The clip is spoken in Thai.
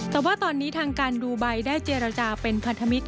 แต่ว่าตอนนี้ทางการดูไบได้เจรจาเป็นพันธมิตร